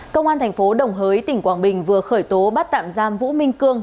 công an thành phố đồng hới tỉnh quảng bình vừa khởi tố bắt tạm giam vũ minh cương